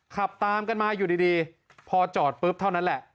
ขับตามกันมาอยู่ดีพอจอดปุ๊บเท่านั้นแหละ